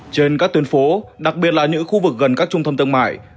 trên các tuyến phố đặc biệt là những khu vực gần các trung tâm thương mại